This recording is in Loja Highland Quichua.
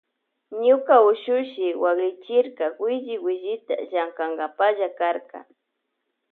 Ñuka ushushi waklichirka willi willita llankankapalla karka.